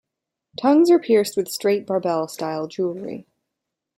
Tongues are pierced with straight barbell style jewelry.